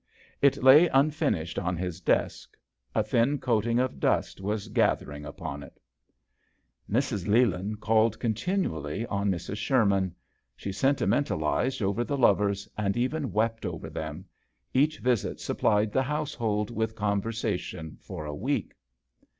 It lay unfinished on his desk ; a thin coating of dust was gather ing upon it. 76 JOHN SHERMAN. Mrs. Leland called continually on Mrs. Sherman. She senti mentalized over the lovers, and even wept over them ; each visit supplied the household with con versation for a week.